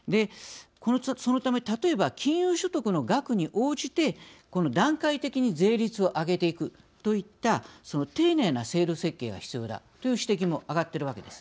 そのため例えば金融所得の額に応じてこの段階的に税率を上げていくといった丁寧な制度設計が必要だという指摘も上がっているわけです。